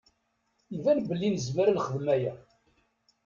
Iban belli nezmer ad nexdem aya.